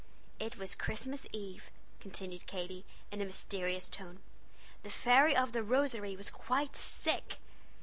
"It was Christmas Eve," continued Katy, in a mysterious tone. "The fairy of the Rosary was quite sick.